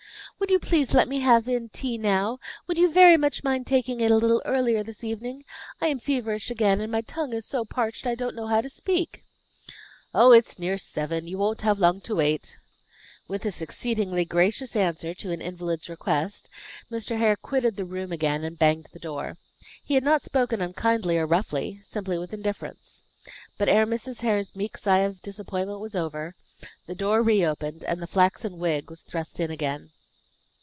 "Would you please let me have tea in now? Would you very much mind taking it a little earlier this evening? I am feverish again, and my tongue is so parched I don't know how to speak." "Oh, it's near seven; you won't have long to wait." With this exceedingly gracious answer to an invalid's request, Mr. Hare quitted the room again and banged the door. He had not spoken unkindly or roughly, simply with indifference. But ere Mrs. Hare's meek sigh of disappointment was over, the door re opened, and the flaxen wig was thrust in again.